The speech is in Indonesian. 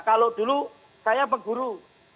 kalau dulu saya peguru